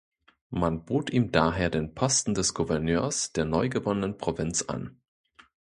Man bot ihm daher den Posten des Gouverneurs der neugewonnenen Provinz an.